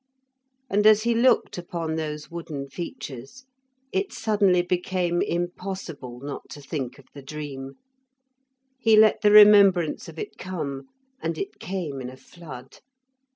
And as he looked upon those wooden features it suddenly became impossible not to think of the dream. He let the remembrance of it come, and it came in a flood.